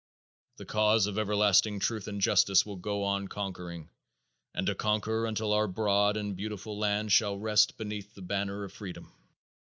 The cause of everlasting truth and justice will go on conquering and to conquer until our broad and beautiful land shall rest beneath the banner of freedom.